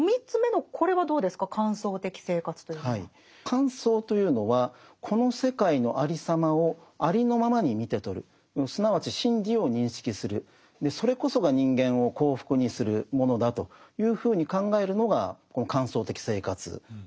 観想というのはこの世界のありさまをありのままに見て取るすなわち真理を認識するそれこそが人間を幸福にするものだというふうに考えるのがこの観想的生活なんですね。